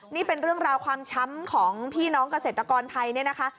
นี่เป็นเรื่องราวความช้ำของพี่น้องเกษตรกรไทยเนี่ยนะคะ